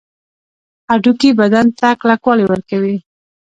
هډوکي بدن ته کلکوالی ورکوي